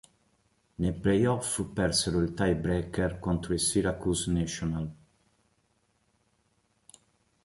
Nei play-off persero il "tie-breaker" contro i Syracuse Nationals.